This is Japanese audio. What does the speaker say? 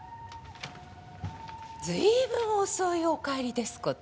随分遅いお帰りですこと。